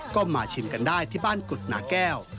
ก็มาชิมกันได้ที่บ้านกุฎหนาแก้ว